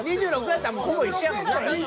やったらほぼ一緒やもんな。